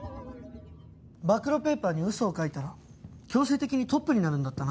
暴露ペーパーに嘘を書いたら強制的にトップになるんだったな？